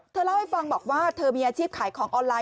เล่าให้ฟังบอกว่าเธอมีอาชีพขายของออนไลน